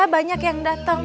banyak yang datang